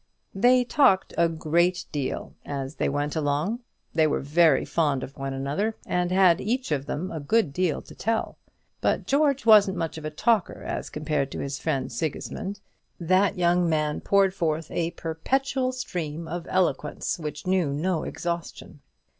They talked a great deal as they went along. They were very fond of one another, and had each of them a good deal to tell; but George wasn't much of a talker as compared to his friend Sigismund. That young man poured forth a perpetual stream of eloquence, which knew no exhaustion.